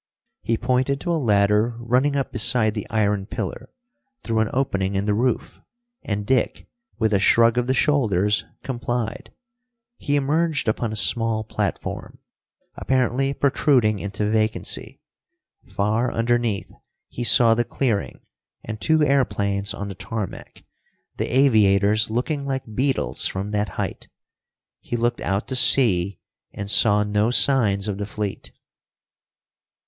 He pointed to a ladder running up beside the iron pillar through an opening in the roof, and Dick, with a shrug of the shoulders, complied. He emerged upon a small platform, apparently protruding into vacancy. Far underneath he saw the clearing, and two airplanes on the tarmac, the aviators looking like beetles from that height. He looked out to sea and saw no signs of the fleet.